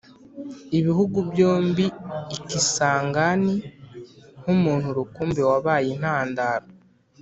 ibihugu byombi i kisangani nk’umuntu rukumbi wabaye intandaro